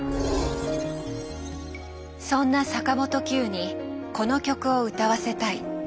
そんな坂本九にこの曲を歌わせたい。